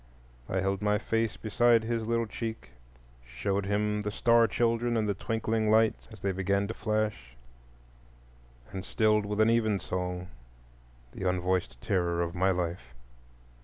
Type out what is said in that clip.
I held my face beside his little cheek, showed him the star children and the twinkling lights as they began to flash, and stilled with an even song the unvoiced terror of my life.